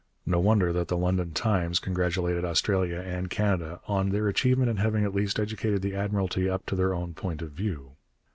No wonder that the London Times congratulated Australia and Canada 'on their achievement in having at last educated the Admiralty up to their own point of view.'